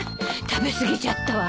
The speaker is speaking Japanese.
食べ過ぎちゃったわ。